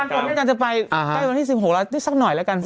ประจำผมกำลังจะไปใกล้วันที่๑๖แล้วนิดสักหน่อยแล้วกันสิ